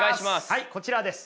はいこちらです。